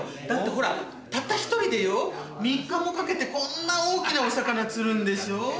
だってほらたった一人でよ３日もかけてこんな大きなお魚釣るんでしょう。